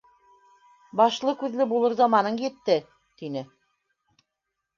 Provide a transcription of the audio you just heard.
Башлы-күҙле булыр заманың етте, — тине.